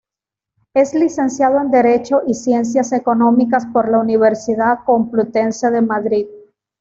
Es licenciado en Derecho y Ciencias Económicas por la Universidad Complutense de Madrid.